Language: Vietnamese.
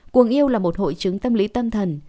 cuồng yêu là một hội chứng tâm lý tâm thần